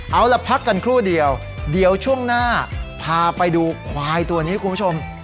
เอาล่ะพักกันครู่เดียวเดี๋ยวช่วงหน้าพาไปดูควายตัวนี้คุณผู้ชม